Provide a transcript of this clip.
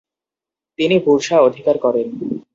তিনি বুরসা অধিকার করে।